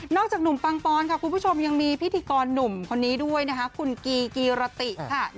จากหนุ่มปังปอนค่ะคุณผู้ชมยังมีพิธีกรหนุ่มคนนี้ด้วยนะคะคุณกีกีรติค่ะ